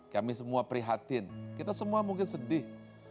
kami semua prihatin kita semua mungkin sedih